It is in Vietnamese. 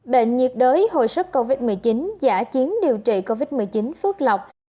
bệnh nhiệt đới hồi sức covid một mươi chín giả chiến điều trị covid một mươi chín phước lọc